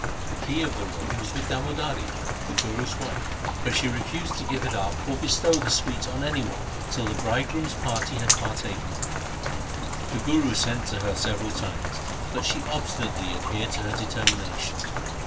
The key of the room was with Damodari, the Guru's wife, but she refused to give it up or bestow the sweets on any one till the bridegroom's party had partaken of them. The Guru sent to her several times, but she obstinately adhered to her determination.